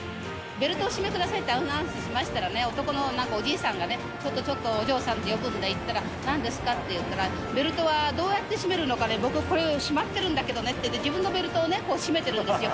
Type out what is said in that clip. ベルトをお締めくださいってアナウンスしましたらね、男のおじいさんがね、ちょっとちょっとお嬢さんって呼ぶんで行ったら、なんですかって言ったら、ベルトはどうやって締めるのかね、僕、これ締まってるんだけどね、自分のベルトを締めてるんですよ。